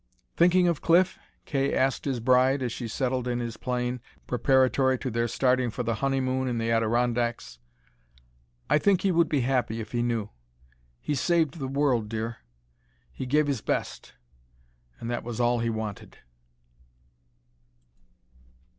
"Thinking of Cliff?" Kay asked his bride, as she settled in his plane preparatory to their starting for the honeymoon in the Adirondacks. "I think he would be happy if he knew. He saved the world, dear; he gave his best. And that was all he wanted."